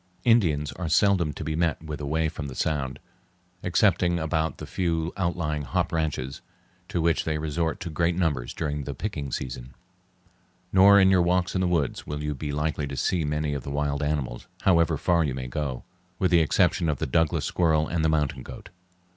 Indians are seldom to be met with away from the Sound, excepting about the few outlying hop ranches, to which they resort in great numbers during the picking season. Nor in your walks in the woods will you be likely to see many of the wild animals, however far you may go, with the exception of the Douglas squirrel and the mountain goat.